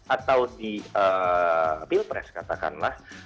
atau di pilpres katakanlah